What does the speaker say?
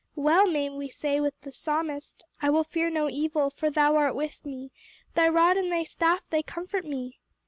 Well may we say with the Psalmist, 'I will fear no evil, for thou art with me; thy rod and thy staff they comfort me.